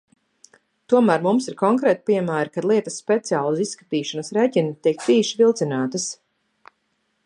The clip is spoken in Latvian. Tomēr mums ir konkrēti piemēri, kad lietas speciāli uz izskatīšanas rēķina tiek tīši vilcinātas.